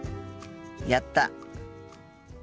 やった。